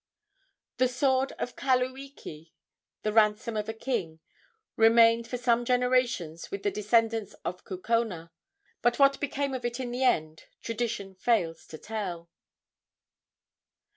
The sword of Kaluiki, the ransom of a king, remained for some generations with the descendants of Kukona; but what became of it in the end tradition fails to tell.